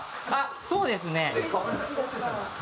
あっそうですね。